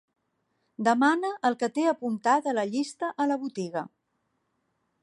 Demana el que t'he apuntat a la llista a la botiga.